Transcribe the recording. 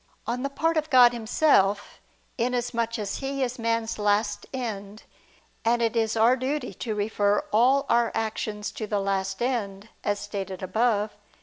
On the part of God Himself, inasmuch as He is man's last end; and it is our duty to refer all our actions to the last end, as stated above (Q.